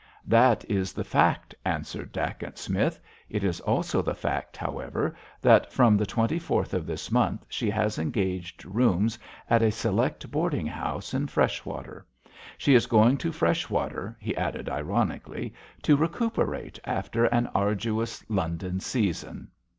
"That is the fact," answered Dacent Smith; "it is also the fact, however, that from the twenty fourth of this month she has engaged rooms at a select boarding house in Freshwater. She is going to Freshwater," he added ironically, "to recuperate after an arduous London season!"